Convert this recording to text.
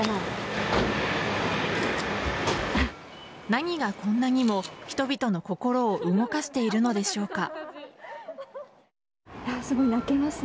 何がこんなにも人々の心を動かしているのでしょうか。